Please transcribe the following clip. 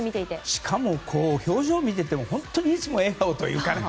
しかも表情を見ていても本当に、いつも笑顔というかね。